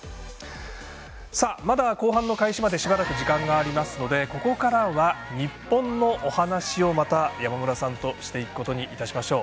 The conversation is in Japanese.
まだ後半の開始まで時間がありますのでここからは日本のお話をまた、山村さんとしていくことにいたしましょう。